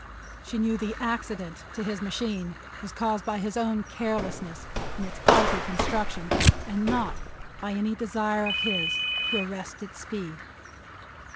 She knew the accident to his machine was caused by his own carelessness and its faulty construction, and not by any desire of his to arrest its speed.